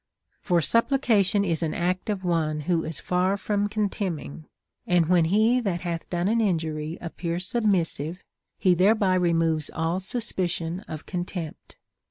t For supplication is an act of one who is far from con temning ; and when he that hath done an injury appears submissive, he thereby removes all suspicion of contempt.